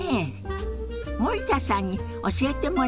森田さんに教えてもらいましょ。